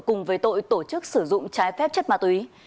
cùng với tội tổ chức sử dụng trái phép chất ma túy